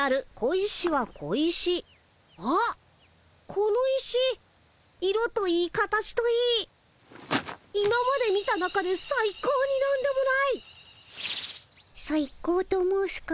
この石色といい形といい今まで見た中でさい高になんでもない！さい高と申すか？